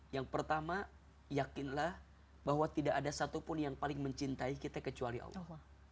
yang pertama yakinlah bahwa tidak ada satupun yang paling mencintai kita kecuali allah